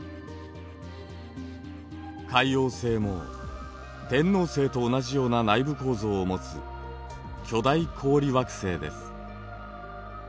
海王星も天王星と同じような内部構造を持つ巨大氷惑星です。